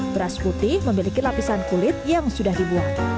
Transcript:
beras putih memiliki lapisan kulit yang sudah dibuat